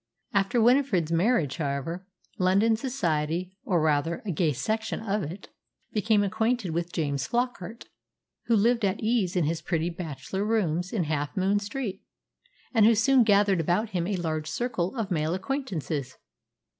After Winifred's marriage, however, London society or rather a gay section of it became acquainted with James Flockart, who lived at ease in his pretty bachelor rooms in Half Moon Street, and who soon gathered about him a large circle of male acquaintances.